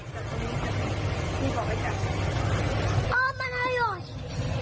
ติดจับตรงนี้